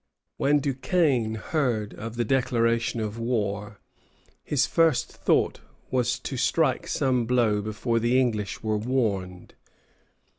When Duquesnel heard of the declaration of war, his first thought was to strike some blow before the English were warned.